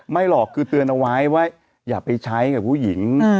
หรอกคือเตือนเอาไว้ว่าอย่าไปใช้กับผู้หญิง